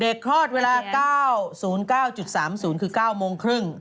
คลอดเวลา๙๐๙๓๐คือ๙โมงครึ่ง